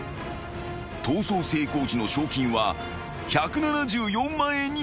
［逃走成功時の賞金は１７４万円に跳ね上がる］